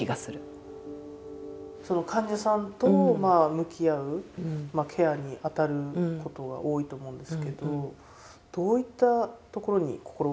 その患者さんと向き合うケアに当たることが多いと思うんですけどどういったところに心がけてるんですか？